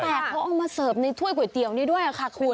แต่เขาเอามาเสิร์ฟในถ้วยก๋วยเตี๋ยวนี้ด้วยค่ะคุณ